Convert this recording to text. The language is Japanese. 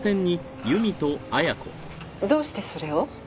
どうしてそれを？